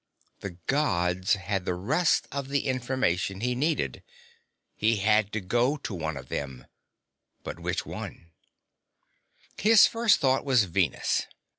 The Gods had the rest of the information he needed. He had to go to one of them but which one? His first thought was Venus.